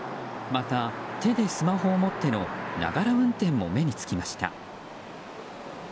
また、手でスマホを持ってのながら運転も目につきました。